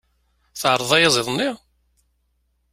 Tεerḍeḍ ayaziḍ-nni?